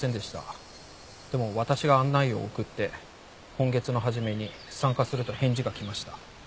でも私が案内を送って今月の初めに参加すると返事が来ました。